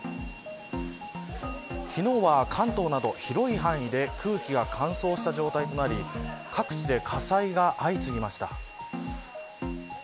昨日は、関東など広い範囲で空気が乾燥した状態となり各地で火災が相次ぎました。